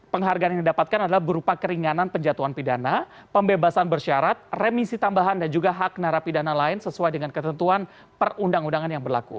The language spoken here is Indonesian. penghargaan yang didapatkan adalah berupa keringanan penjatuhan pidana pembebasan bersyarat remisi tambahan dan juga hak narapidana lain sesuai dengan ketentuan perundang undangan yang berlaku